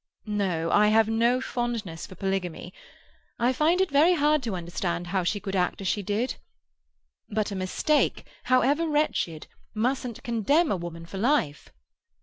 No, I have no fondness for polygamy. I find it very hard to understand how she could act as she did. But a mistake, however wretched, mustn't condemn a woman for life.